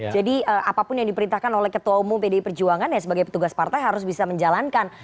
jadi apapun yang diperintahkan oleh ketua umum pdi perjuangan ya sebagai petugas partai harus bisa menjalankan